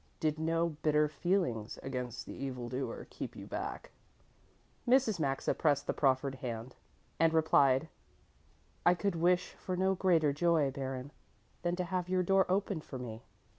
"Did no bitter feelings against the evil doer keep you back?" Mrs. Maxa pressed the proffered hand and replied, "I could wish for no greater joy, Baron, than to have your door opened for me.